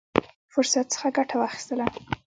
فرصت څخه ګټه واخیستله.